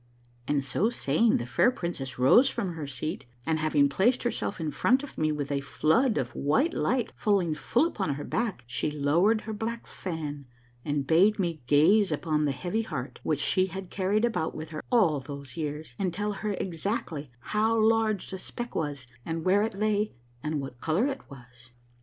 And so saying the fair princess rose from her seat, and having placed herself in front of me with a flood of white light falling full upon her back, she lowered her black fan and bade me gaze upon the heavy heart which she had carried about with her all these years, and tell her exactly how large the speck was and where it lay, and what color it was.